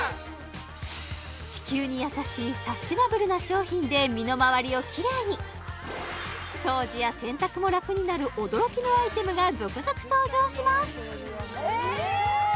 地球に優しいサスティナブルな商品で身のまわりをキレイに掃除や洗濯も楽になる驚きのアイテムが続々登場します